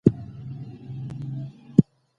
طبیعت انسان ته سکون وربخښي